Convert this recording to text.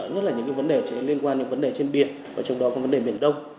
nhất là những vấn đề liên quan đến vấn đề trên biển trong đó là vấn đề biển đông